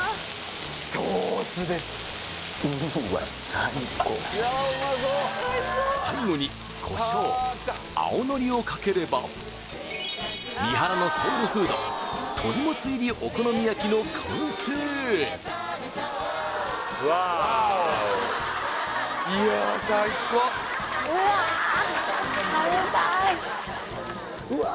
最高最後にコショウ青のりをかければ三原のソウルフード鳥もつ入りお好み焼きの完成うわ